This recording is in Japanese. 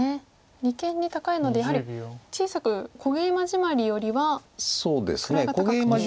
二間に高いのでやはり小さく小ゲイマジマリよりは位が高くて。